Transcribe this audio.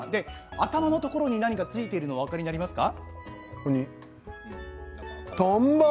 頭のところに何かついているのがお分かりになりますか。